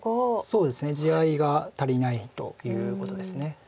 そうですね地合いが足りないということです。